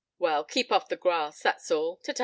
"Well, keep off the grass, that's all. Ta, ta."